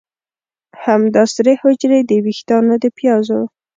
همدا سرې حجرې د ویښتانو د پیازو